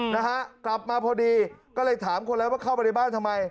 นะฮะกลับมาพอดีก็เลยถามคนร้ายว่าเข้าไปในบ้านทำไม